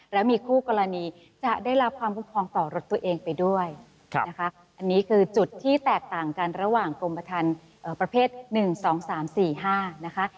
แล้วมีคู่กรณีจะได้รับความคุ้มครองต่อรถตัวเองไปด้วยนะคะอันนี้คือจุดที่แตกต่างกันระหว่างกรมประทันประเภท๑๒๓๔๕นะคะ